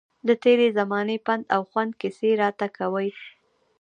د تېرې زمانې پند او خوند کیسې راته کوي.